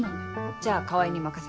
じゃあ川合に任せた。